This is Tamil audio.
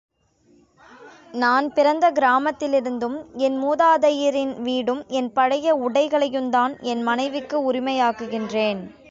நான் பிறந்த கிராமத்திலிருக்கும் என் மூதாதையரின் வீடும், என் பழைய உடைகளையுந்தான் என் மனைவிக்கு உரிமையாக்குகின்றேன்.